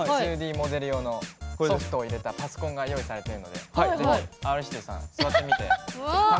２Ｄモデル用のソフトを入れたパソコンが用意されてるのでＲ‐指定さん座ってみて試してみて下さい。